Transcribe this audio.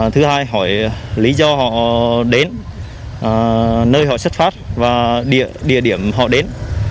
thứ hai hỏi lý do họ đến nơi họ xuất phát và địa điểm họ đến